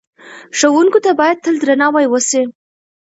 ښوونکو ته باید تل درناوی وسي.